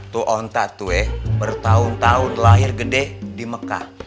tuh ontak tuh ya bertahun tahun lahir gede di mekah